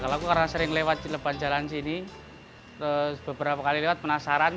kalau aku karena sering lewat jalan sini terus beberapa kali lewat penasaran